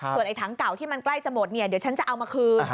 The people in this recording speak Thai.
ส่วนไอ้ถังเก่าที่มันใกล้จะหมดเนี่ยเดี๋ยวฉันจะเอามาคืน